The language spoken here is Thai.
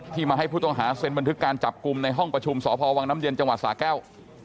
มาให้ผู้ต้องหาเซ็นบันทึกการจับกลุ่มในห้องประชุมสพวังน้ำเย็นจังหวัดสาแก้ว